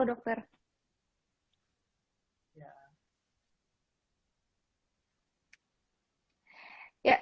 beri dukungan di channel ini